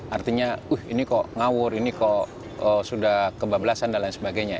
artinya ini kok ngawur ini kok sudah kebablasan dan lain sebagainya